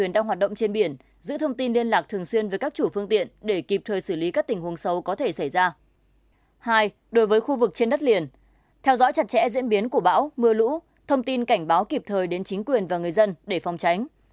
hai đối với khu vực trên đất liền theo dõi chặt chẽ diễn biến của bão mưa lũ thông tin cảnh báo kịp thời đến chính quyền và người dân để phòng tránh